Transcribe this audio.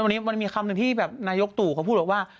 วันนี้มีคำที่นายกธุเขาพูดว่า